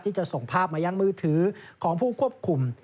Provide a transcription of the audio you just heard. จะส่งภาพมายังมือถือของผู้ควบคุม